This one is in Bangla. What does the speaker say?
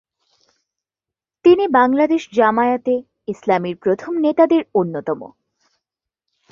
তিনি বাংলাদেশ জামায়াতে ইসলামীর প্রথম নেতাদের অন্যতম।